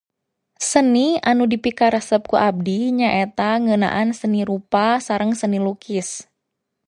Seni anu dipikaresep ku abdi nyaeta ngeunaan seni rupa sareng seni lukis.